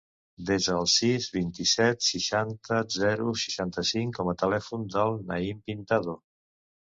Desa el sis, vint-i-set, seixanta, zero, seixanta-cinc com a telèfon del Naïm Pintado.